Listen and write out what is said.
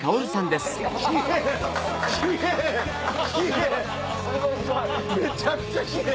すごいすごい。